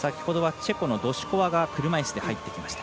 チェコのドシュコワが車いすで入ってきました。